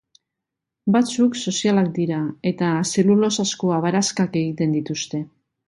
Batzuk sozialak dira eta zelulosazko abaraskak egiten dituzte.